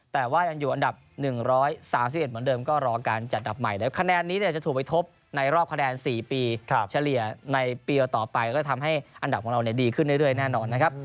แต่ว่ายังอยู่อันดับ๑๓๑เหมือนเดิมก็รอการจัดอันดับใหม่เดี๋ยวคะแนนนี้จะถูกไปทบในรอบคะแนน๔ปีเฉลี่ยในปีต่อไปก็จะทำให้อันดับของเราดีขึ้นเรื่อยแน่นอนนะครับ